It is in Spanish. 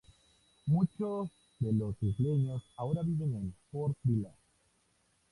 Muchos de los isleños ahora viven en Port Vila.